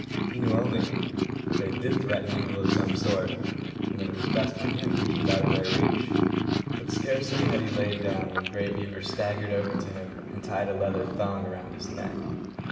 He knew only that they did threaten evil of some sort, and that it was best for him to keep out of their reach. But scarcely had he lain down when Grey Beaver staggered over to him and tied a leather thong around his neck.